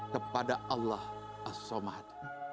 kepada allah asomad